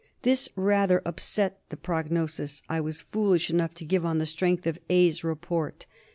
'* This rather upset the prognosis I was foolish enough to give on the strength of A's " report.